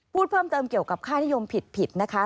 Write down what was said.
พูดเพิ่มเติมเกี่ยวกับค่านิยมผิดนะคะ